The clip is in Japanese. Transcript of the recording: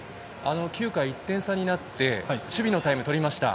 ９回１点差になって守備のタイムをとりました。